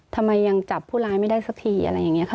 ทำไมยังจับผู้ร้ายไม่ได้สักทีอะไรอย่างนี้ค่ะ